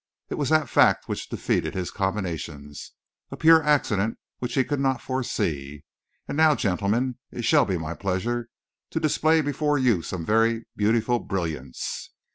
It was that fact which defeated his combinations a pure accident which he could not foresee. And now, gentlemen, it shall be my pleasure to display before you some very beautiful brilliants."